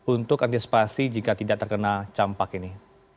untuk antisipasi jika tidak terkena campak ini